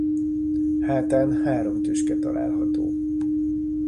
Hátán három tüske található.